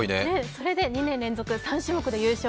それで２年連続・３種目で優勝。